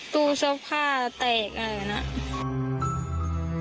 ตู้เสื้อผ้าเตะอะไรอย่างนั้น